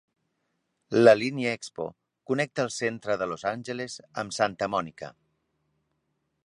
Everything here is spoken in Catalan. La línia Expo connecta el centre de Los Angeles amb Santa Mònica.